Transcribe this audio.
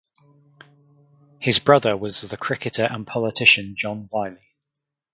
His brother was the cricketer and politician John Wiley.